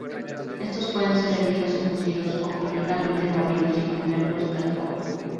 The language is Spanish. Estos pueden ser hervidos o cocidos, o completamente molidos y comerlos tal cual.